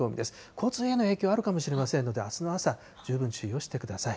交通への影響があるかもしれませんので、あすの朝、十分注意をしてください。